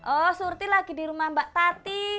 oh surti lagi di rumah mbak tati